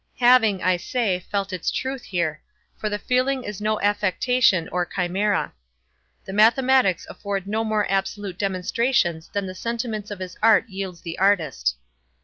Having, I say, felt its truth here; for the feeling is no affectation or chimera. The mathematics afford no more absolute demonstrations than the sentiments of his art yields the artist.